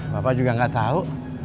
bapak juga gak tau